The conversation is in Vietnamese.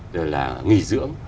rồi là nghỉ dưỡng